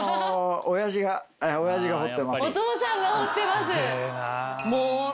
お父さんが彫ってます。